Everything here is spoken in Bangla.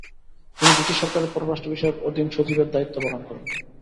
তিনি ব্রিটিশ সরকারের পররাষ্ট্র বিষয়ক অধীন সচিবের দায়িত্ব পালন করেন।